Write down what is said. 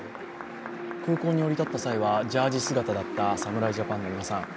空港に降り立った際はジャージ姿だった侍ジャパンの皆さん。